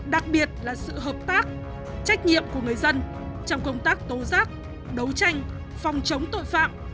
đặc biệt là sự hợp tác trách nhiệm của người dân trong công tác tố giác đấu tranh phòng chống tội phạm